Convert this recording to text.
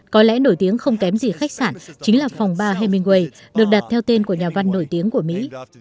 có lẽ nổi tiếng không kém gì khách sạn chính là phòng ba hemingway được đặt theo tên của nhà văn nổi tiếng của mỹ